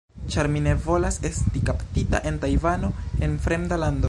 ĉar mi ne volas esti kaptita en Tajvano, en fremda lando